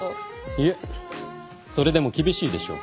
いえそれでも厳しいでしょう。